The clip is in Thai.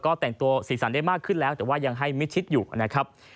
ก็แต่งตัวสีสันได้มากขึ้นแล้วแต่ว่ายังให้มิดชิดอยู่นะครับ